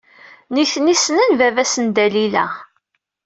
Nitni ssnen baba-s n Dalila.